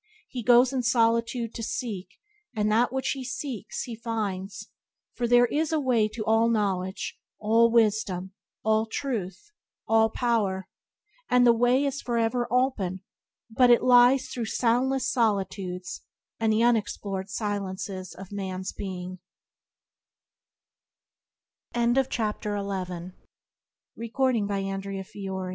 He goes in solitude to seek, and that which he seeks, he finds, for there is a Way to all knowledge, all wisdom, all truth, all power. And the Way is forever open, but it lies through soundless solitudes and the unexplored silences of man's being.